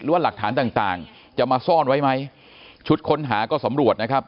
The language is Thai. ว่าหลักฐานต่างต่างจะมาซ่อนไว้ไหมชุดค้นหาก็สำรวจนะครับ